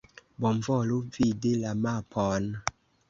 Bonvolu vidi la mapon.